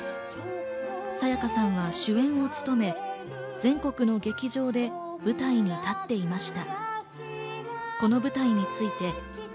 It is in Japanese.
沙也加さんは主演を務め、全国の劇場で舞台に立っていました。